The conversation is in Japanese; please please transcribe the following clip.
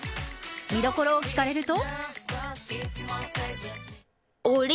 見どころを聞かれると。